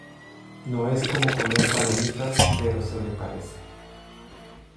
no es como comer palomitas, pero se le parece.